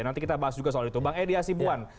nanti kita bahas juga soal itu bang edi asibuan